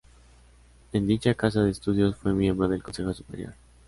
En dicha casa de estudios fue miembro del Consejo Superior.